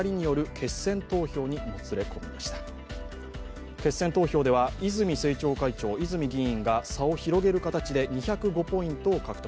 決選投票では泉政調会長、泉議員が差を広げる形で２０５ポイントを獲得。